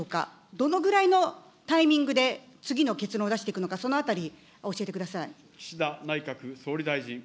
どのぐらいのタイミングで次の結論を出していくのか、そのあたり、教えてください。